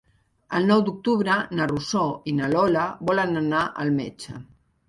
El nou d'octubre na Rosó i na Lola volen anar al metge.